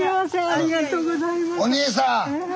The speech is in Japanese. ありがとうございます。